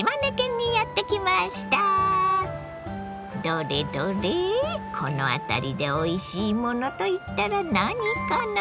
どれどれこの辺りでおいしいものといったら何かな？